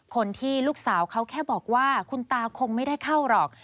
คนที่ลูกสาวเขาแค่บอกว่าคุณตาคงไม่ได้เข้าหรอก